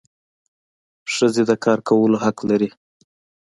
ښځي د کار کولو حق لري.